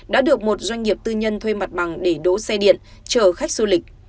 đã được một doanh nghiệp tư nhân thuê mặt bằng để đỗ xe điện chở khách du lịch